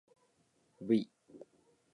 ｖ